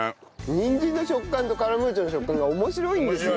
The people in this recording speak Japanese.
にんじんの食感とカラムーチョの食感が面白いんですよね。